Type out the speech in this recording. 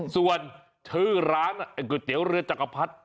ส่วนชื่อร้านก๋วยเตี๋ยวเรือจักรพรรดิ